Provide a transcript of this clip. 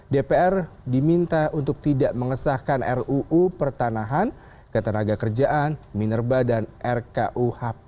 dpr diminta untuk tidak mengesahkan ruu pertanahan ketenaga kerjaan minerba dan rkuhp